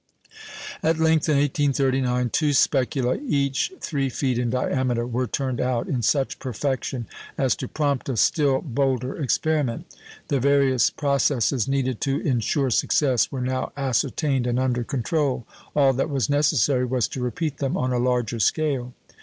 At length, in 1839, two specula, each three feet in diameter, were turned out in such perfection as to prompt a still bolder experiment. The various processes needed to insure success were now ascertained and under control; all that was necessary was to repeat them on a larger scale.